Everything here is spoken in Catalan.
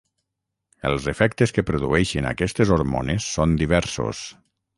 Els efectes que produeixen aquestes hormones són diversos.